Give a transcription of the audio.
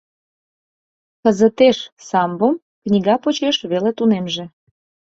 Кызытеш самбом книга почеш веле тунемже.